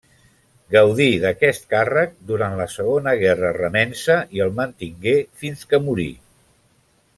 Gaudí d'aquest càrrec durant la segona guerra remença i el mantingué fins que morí.